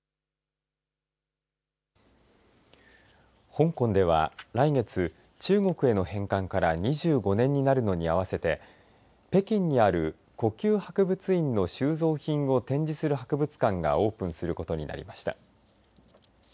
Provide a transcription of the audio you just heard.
香港では、来月中国への返還から２５年になるのに合わせて北京にある故宮博物院の収蔵品を展示する博物館がオープンすることになりました。